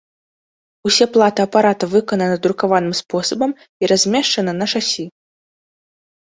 Усе платы апарата выкананы друкаваным спосабам і размешчаны на шасі.